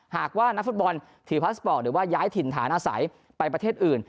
หากว่านักฟุตบอลถือพาสปอร์ตหรือว่าย้ายถิ่นฐานอาศัยไปประเทศอื่น